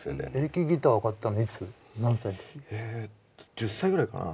１０歳ぐらいかな。